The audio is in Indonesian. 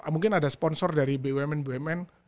mungkin ada sponsor dari bumn bumn